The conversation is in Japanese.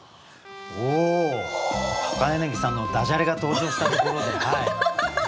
おお柳さんのだじゃれが登場したところで。